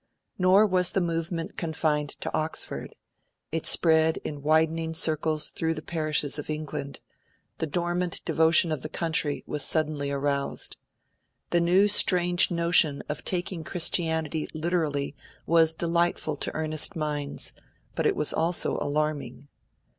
Nor was the movement confined to Oxford; it spread in widening circles through the parishes of England; the dormant devotion of the country was suddenly aroused. The new strange notion of taking Christianity literally was delightful to earnest minds; but it was also alarming.